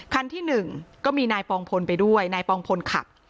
คันที่หนึ่งก็มีนายปองพลไปด้วยนายปองพลขับ